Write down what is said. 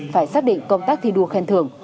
phải xác định công tác thi đua khen thưởng